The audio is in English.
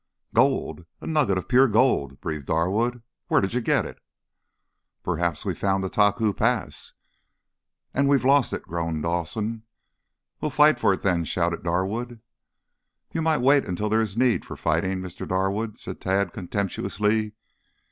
"Gold! A nugget of pure gold," breathed Darwood. "Where did you get it?" "Perhaps we found the Taku Pass." "And we've lost it," groaned Dawson. "We'll fight for it, then!" shouted Darwood. "You might wait until there's need for fighting, Mr. Darwood," said Tad contemptuously.